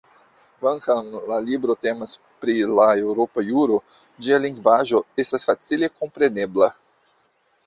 Kvankam la libro temas pri la eŭropa juro, ĝia lingvaĵo estas facile komprenebla.